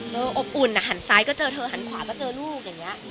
อบอุ่นหันซ้ายก็เจอเธอหันขวาก็เจอลูกอย่างนี้